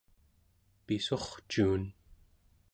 pissurcuun